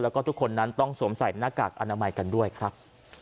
แล้วก็ทุกคนนั้นต้องสวมใส่หน้ากากอนามัยกันด้วยครับ